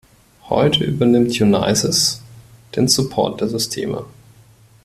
Heute übernimmt Unisys den Support der Systeme.